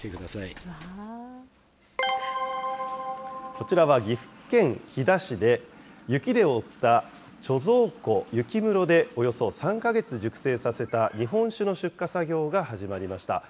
こちらは岐阜県飛騨市で、雪で覆った貯蔵庫、雪室でおよそ３か月熟成させた日本酒の出荷作業が始まりました。